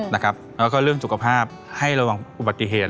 แล้วก็เรื่องสุขภาพให้ระวังอุบัติเหตุ